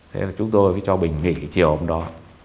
thế là chúng tôi mới cho bình nghỉ chiều hôm đó